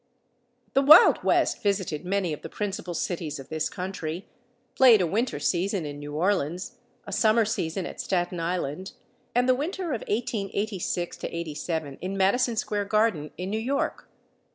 The Wild West visited many of the principal cities of this country, played a winter season in New Orleans, a summer season at Staten Island, and the winter of 1886 87 in Madison Square Garden in New York.